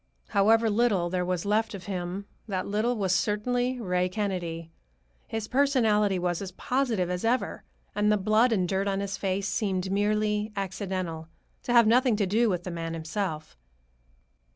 However little there was left of him, that little was certainly Ray Kennedy. His personality was as positive as ever, and the blood and dirt on his face seemed merely accidental, to have nothing to do with the man himself.